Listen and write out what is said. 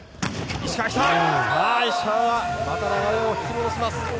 石川は流れをまた引き戻します。